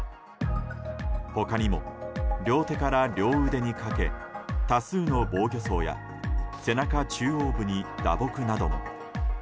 他にも、両手から両腕にかけ多数の防御創や背中中央部に打撲など。